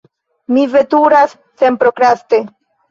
Mi veturas senprokraste.